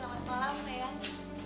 selamat malam eyang